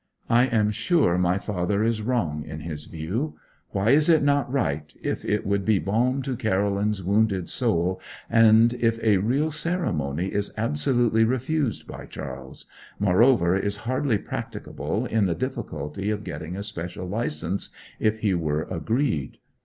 I am sure my father is wrong in his view. Why is it not right, if it would be balm to Caroline's wounded soul, and if a real ceremony is absolutely refused by Charles moreover is hardly practicable in the difficulty of getting a special licence, if he were agreed?